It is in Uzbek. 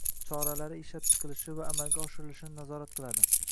choralari ishlab chiqilishi va amalga oshirilishini nazorat qiladi;